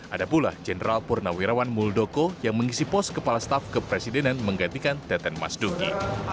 ada pula jenderal purnawirawan muldoko yang mengisi pos kepala staf kepresidenan menggantikan teten mas duki